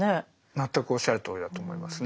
全くおっしゃるとおりだと思いますね。